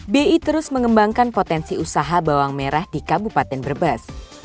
bi terus mengembangkan potensi usaha bawang merah di kabupaten brebes